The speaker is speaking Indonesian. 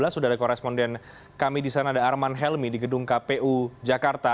sudah ada koresponden kami di sana ada arman helmi di gedung kpu jakarta